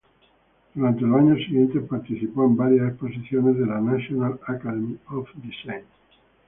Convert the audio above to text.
Durante los años siguientes participó en varias exposiciones de la National Academy of Design.